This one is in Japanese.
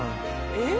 えっ？